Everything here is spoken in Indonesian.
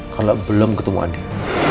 kalau belum ketemu andin